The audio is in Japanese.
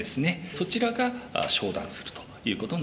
そちらが昇段するということになります。